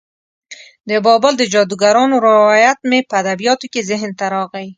د بابل د جادوګرانو روایت مې په ادبیاتو کې ذهن ته راغی.